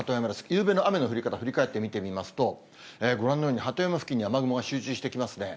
ゆうべの雨の降り方、振り返って見てみますと、ご覧のように鳩山付近に、雨雲が集中してきますね。